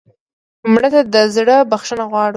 مړه ته د زړه بښنه غواړو